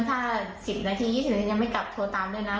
ถ้า๑๐นาที๒๐นาทียังไม่กลับโทรตามด้วยนะ